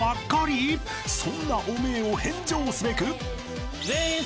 ［そんな汚名を返上すべく］